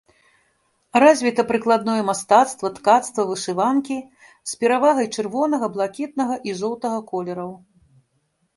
Развіта прыкладное мастацтва, ткацтва, вышыванкі з перавагай чырвонага, блакітнага і жоўтага колераў.